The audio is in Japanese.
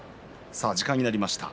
時間になりました。